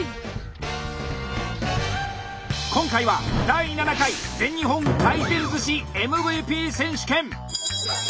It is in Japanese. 今回は「第七回全日本回転寿司ＭＶＰ選手権」。